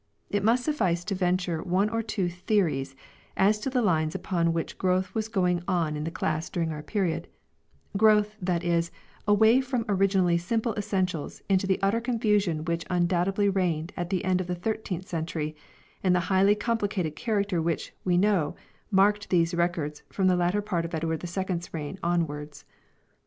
It must suffice to venture one or two theories as to the lines upon which growth was going on in the class during our period ; growth, that is, away from originally simple essentials into the utter confusion which undoubtedly reigned at the end of the thirteenth century and the highly complicated character which, we know r , marked these Records from the latter part of Edward II's reign onwards.